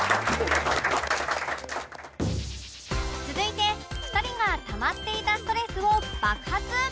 続いて２人がたまっていたストレスを爆発！